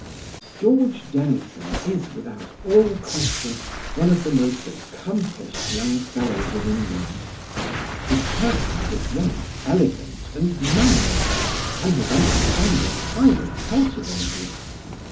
George Dennison is, without all question, one of the most accomplished young fellows in England. His person is at once elegant and manly, and his understanding highly cultivated.